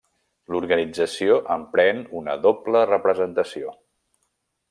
L'organització emprèn una doble representació.